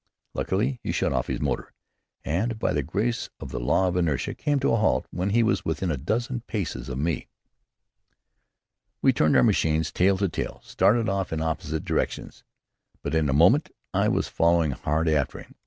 Luckily he shut off his motor, and by the grace of the law of inertia came to a halt when he was within a dozen paces of me. We turned our machines tail to tail and started off in opposite directions, but in a moment I was following hard after him.